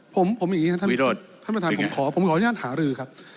ผมอย่างนี้ครับท่านประธานผมขออย่างนั้นหารือครับ